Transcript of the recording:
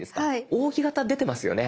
扇形出てますよね？